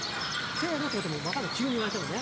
「せの！」って言われても分かんない急に言われてもね。